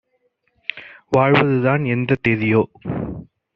வாழ்வதுதான் எந்தத் தேதியோ?